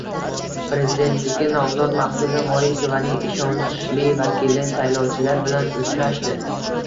Prezidentlikka nomzod Maqsuda Vorisovaning ishonchli vakili saylovchilar bilan uchrashdi